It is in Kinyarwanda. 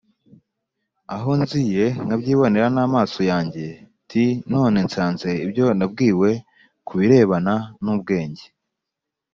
Aho nziye nkabyibonera n amaso yanjye t none nsanze ibyo nabwiwe ku birebana n ubwenge